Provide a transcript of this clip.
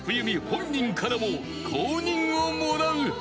本人からも公認をもらうほど］